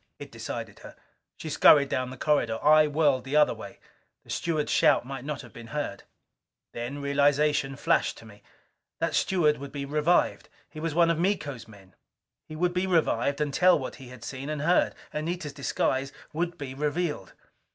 It decided her. She scurried down the corridor. I whirled the other way. The steward's shout might not have been heard. Then realization flashed to me. That steward would be revived. He was one of Miko's men. He would be revived and tell what he had seen and heard. Anita's disguise would be revealed.